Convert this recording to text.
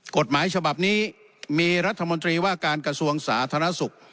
กฎหมายฉบับนี้มีรัฐมนตรีว่าการกระทรวงสาธารณสุข